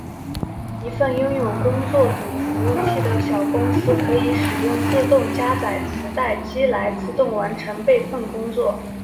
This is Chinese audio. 一个拥有工作组服务器的小公司可以使用自动加载磁带机来自动完成备份工作。